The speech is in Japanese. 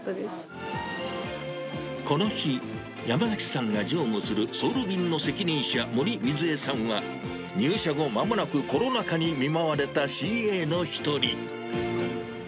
この日、山崎さんが乗務するソウル便の責任者、森瑞絵さんは、入社後まもなくコロナ禍に見舞われたＣＡの１人。